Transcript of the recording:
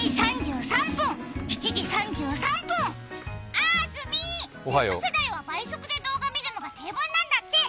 あずみ、Ｚ世代は倍速で動画を見るのが定番なんだって。